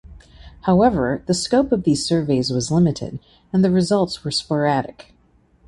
However the scope of these surveys was limited and the results were sporadic.